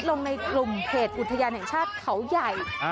ลงในกลุ่มเพจอุทยานแห่งชาติเขาใหญ่